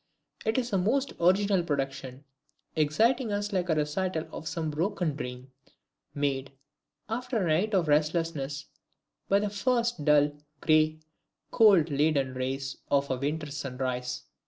It is a most original production, exciting us like the recital of some broken dream, made, after a night of restlessness, by the first dull, gray, cold, leaden rays of a winter's sunrise.